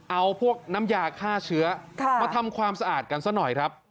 เอาพวกน้ำยาฆ่าเชื้อมาทำความสะอาดกันซะหน่อยครับ